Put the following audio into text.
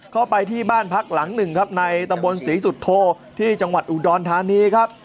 เข้าไปที่บ้านพักหลังหนึ่งครับในตำบลศรีสุโธที่จังหวัดอุดรธานีครับ